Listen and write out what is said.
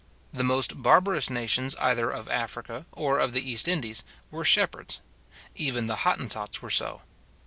The most barbarous nations either of Africa or of the East Indies, were shepherds; even the Hottentots were so.